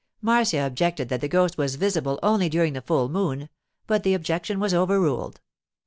Marcia objected that the ghost was visible only during the full moon, but the objection was overruled.